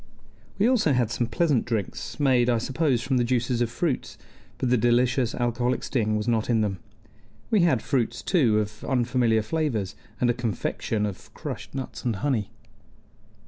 We also had some pleasant drinks, made, I suppose, from the juices of fruits, but the delicious alcoholic sting was not in them. We had fruits, too, of unfamiliar flavors, and a confection of crushed nuts and honey.